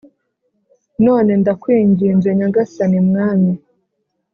None ndakwinginze Nyagasani Mwami